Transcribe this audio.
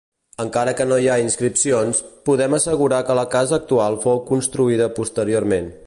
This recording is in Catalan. Encara que no hi ha inscripcions, podem assegurar que la casa actual fou construïda posteriorment.